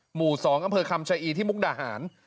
หมู่๒อำเภอคำชะอีที่มุกดาหาร